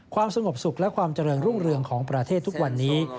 ความสงบสุขและความเจริญรุ่งเรืองของประเทศทุกวันนี้